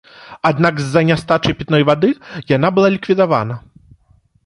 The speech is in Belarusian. Аднак з-за нястачы пітной вады яна была ліквідавана.